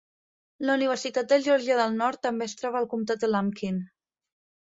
La Universitat de Geòrgia del Nord també es troba al comtat de Lumpkin.